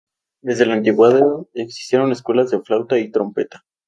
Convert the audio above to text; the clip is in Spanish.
Desde la antigüedad existieron escuelas de flauta y trompeta.